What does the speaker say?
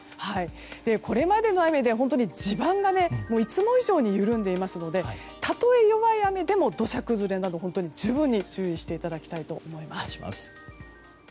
これまでの雨で地盤がいつも以上に緩んでいますのでたとえ弱い雨でも土砂崩れなどに十分に注意していただきたいと思います。